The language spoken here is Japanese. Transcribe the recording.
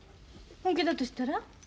本気だとしたら？